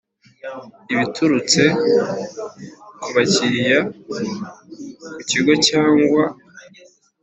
ibiturutse ku bakiriya ku Kigo cyangwa